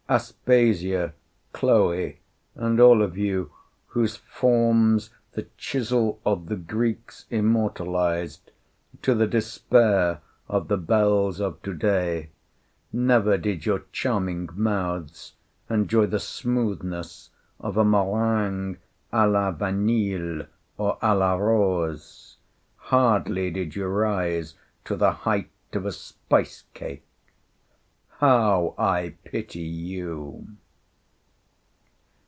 Aspasia, Chloe, and all of you whose forms the chisel of the Greeks immortalized, to the despair of the belles of to day, never did your charming mouths enjoy the smoothness of a meringue à la vanille or à la rose; hardly did you rise to the height of a spice cake. How I pity you!